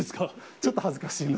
ちょっと恥ずかしいので。